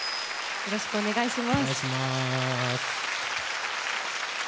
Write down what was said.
よろしくお願いします。